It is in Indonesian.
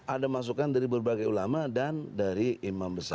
ada masukan dari berbagai ulama dan dari imam besar